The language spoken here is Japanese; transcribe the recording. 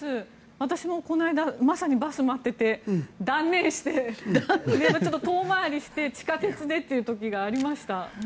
私もこの間まさにバスを待っていて断念して、ちょっと遠回りして地下鉄でという時がありました。